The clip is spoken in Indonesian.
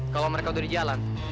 kalau mereka udah di jalan